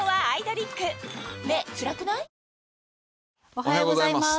おはようございます。